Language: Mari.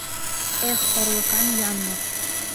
Эх, орлыкан янлык!